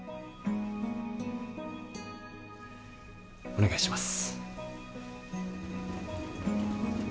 お願いします。